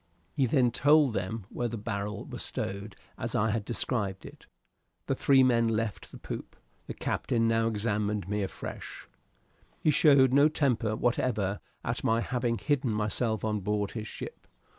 And he then told them where the barrel was stowed as I had described it. The three men left the poop. The captain now examined me afresh. He showed no temper whatever at my having hidden myself on board his ship.